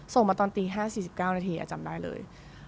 ส่งมาตอนตี๕๔๙นาทีจำได้เลย